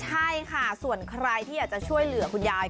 ใช่ค่ะส่วนใครที่อยากจะช่วยเหลือคุณยาย